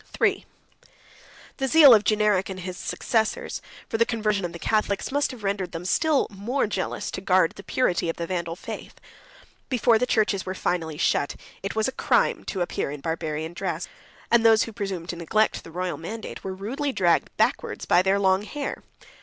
98 III. The zeal of Genseric and his successors, for the conversion of the Catholics, must have rendered them still more jealous to guard the purity of the Vandal faith. Before the churches were finally shut, it was a crime to appear in a Barbarian dress; and those who presumed to neglect the royal mandate were rudely dragged backwards by their long hair.